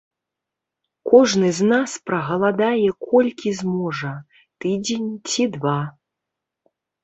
Кожны з нас прагаладае колькі зможа, тыдзень ці два.